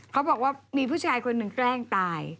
เขาบอกว่ามีผู้ชายคนหนึ่งแกล้งตาย